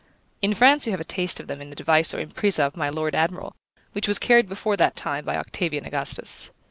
In France you have a taste of them in the device or impresa of my Lord Admiral, which was carried before that time by Octavian Augustus.